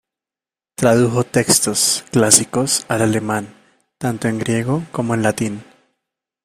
Tradujo textos clásicos al alemán, tanto en griego como en latín.